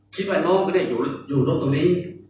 คิดว่าน้องก็เนี่ยอยู่รถตรงนี้